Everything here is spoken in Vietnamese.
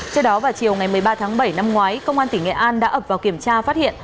trước đó vào chiều ngày một mươi ba tháng bảy năm ngoái công an tỉnh nghệ an đã ập vào kiểm tra phát hiện